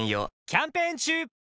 キャンペーン中！